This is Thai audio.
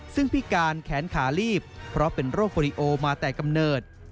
ซึ่งพิการแขนขาลีบเพราะเป็นโรคฟอริโอมาแต่กำเนิด